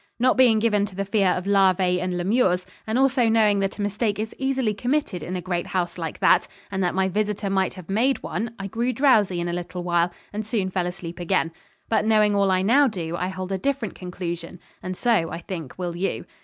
Not being given to the fear of larvae and lemures, and also knowing that a mistake is easily committed in a great house like that, and that my visitor might have made one, I grew drowsy in a little while, and soon fell asleep again. But knowing all I now do, I hold a different conclusion and so, I think, will you.